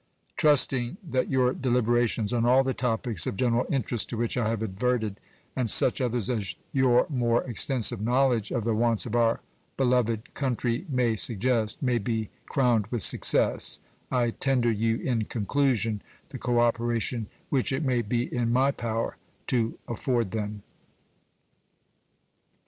Trusting that your deliberations on all the topics of general interest to which I have adverted, and such others as your more extensive knowledge of the wants of our beloved country may suggest, may be crowned with success, I tender you in conclusion the cooperation which it may be in my power to afford them.